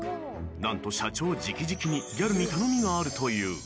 ［何と社長直々にギャルに頼みがあるという］